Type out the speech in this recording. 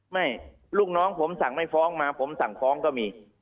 ลูกน้องผมสั่งไม่ฟ้องมาผมสั่งฟ้องก็มี